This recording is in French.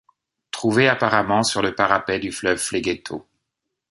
Trouvé apparemment sur le parapet du fleuve Phlégéto!